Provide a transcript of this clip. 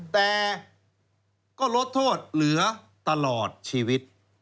แต่ก็ลดโทษเหลือตลอดชีวิต